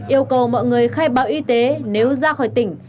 yêu cầu mọi người khai báo y tế nếu ra khỏi tỉnh